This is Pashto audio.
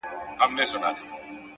هره ورځ د ځان د اصلاح فرصت دی!